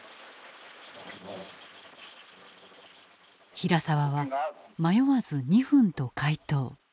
平沢は迷わず「２分」と回答。